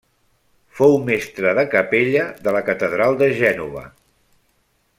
Fou mestre de capella de la catedral de Gènova.